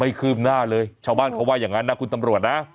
คืบหน้าเลยชาวบ้านเขาว่าอย่างนั้นนะคุณตำรวจนะ